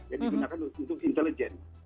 jadi digunakan untuk intelijen